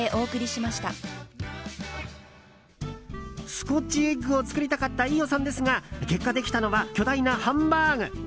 スコッチエッグを作りたかった飯尾さんですが結果、できたのは巨大なハンバーグ。